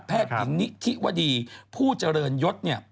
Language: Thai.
แพทย์นิทิวดีผู้เจริญยศเนี่ย